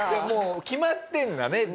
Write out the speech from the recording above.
もう決まってるんだね